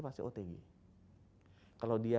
pasti otg kalau dia